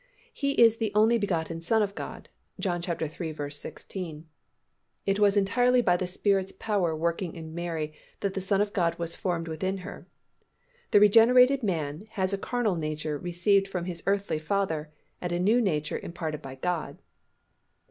He is the only begotten Son of God (John iii. 16). It was entirely by the Spirit's power working in Mary that the Son of God was formed within her. The regenerated man has a carnal nature received from his earthly father and a new nature imparted by God.